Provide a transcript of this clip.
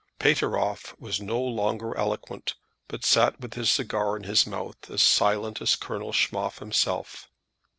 Pateroff was no longer eloquent, but sat with his cigar in his mouth as silent as Colonel Schmoff himself.